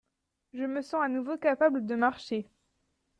Je me sens à nouveau capable de marcher.